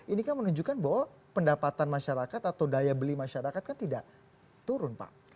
ini kan menunjukkan bahwa pendapatan masyarakat atau daya beli masyarakat kan tidak turun pak